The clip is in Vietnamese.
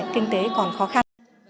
kinh tế còn khó khăn